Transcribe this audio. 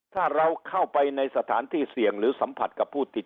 ถ้าเราเข้าไปในสถานที่เสี่ยงหรือสัมผัสกับผู้ติด